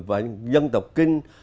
và dân tộc kinh